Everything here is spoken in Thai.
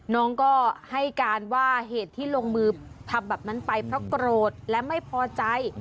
น้องก็ให้การว่าเหตุที่ลงมือทำแบบนั้นไปเพราะโกรธและไม่พอใจ